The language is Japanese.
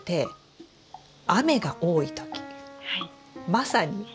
まさに。